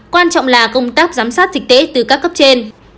quan trọng là công tác giám sát dịch tễ từ các cấp trên